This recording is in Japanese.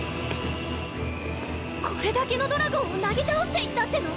これだけのドラゴンをなぎ倒していったっての⁉